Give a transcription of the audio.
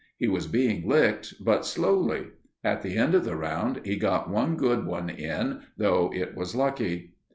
He was being licked, but slowly. At the end of the round he got one good one in, though it was lucky.